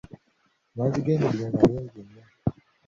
Amazzi g'emidumu malungi nnyo.